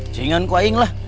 jangan kuaing lah